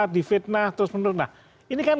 difitnah terus menurut nah ini kan